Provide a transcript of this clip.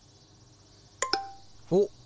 おっ！